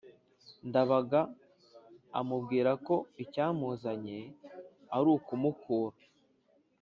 Ndabaga amubwira ko icyamuzanye ari ukumukura